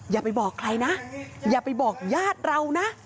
อย่าไปบอกใครนะอย่าไปบอกญาติเรานะ